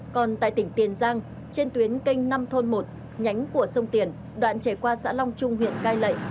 còn tại tỉnh tiền giang trên tuyến canh nam thôn một nhánh của sông tiền đoạn chảy qua xã long trung huyện cài lệnh